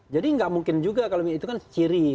jadi tidak mungkin juga kalau itu kan ciri